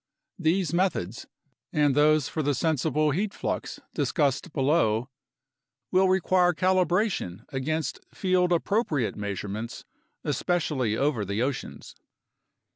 These methods (and those for the sensible heat flux discussed below) will require calibration against field appropriate measurements, especially over the oceans.